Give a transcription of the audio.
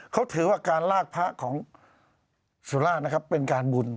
เขาถือว่าการลากพระของสุราชนะครับเป็นการบุญ